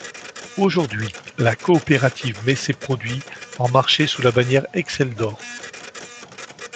Aujourd'hui la coopérative mets ses produits en marché sous la bannière Exceldor.